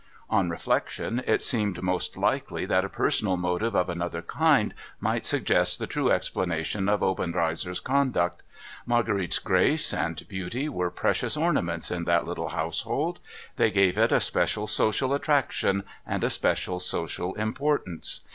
On reflection, it seemed most likely that a personal motive of another kind might suggest the true explanation of Obenreizer's conduct. Marguerite's grace and beauty were precious ornaments in that little household. They gave it a special social attraction and a special social importance.